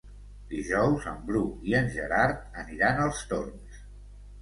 Dijous en Bru i en Gerard aniran als Torms.